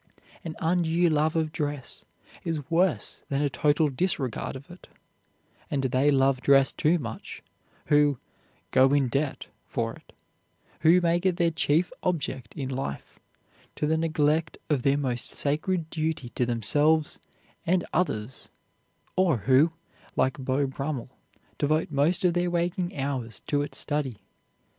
An undue love of dress is worse than a total disregard of it, and they love dress too much who "go in debt" for it, who make it their chief object in life, to the neglect of their most sacred duty to themselves and others, or who, like Beau Brummel, devote most of their waking hours to its study.